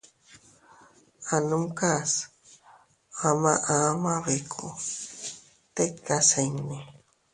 A numkas ama ama bikku tikas iinni.